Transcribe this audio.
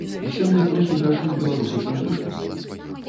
Усе мы трохі грашым беларусацэнтрызмам.